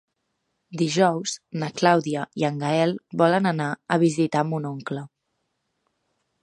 Dijous na Clàudia i en Gaël volen anar a visitar mon oncle.